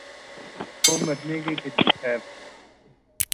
وہ مرنے کے قریب ہے